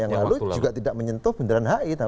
dua satu dua yang lalu juga tidak menyentuh bundaran hi